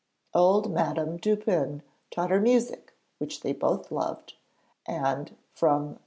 Old Madame Dupin taught her music, which they both loved, and from M.